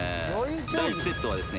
第１セットはですね